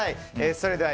それでは。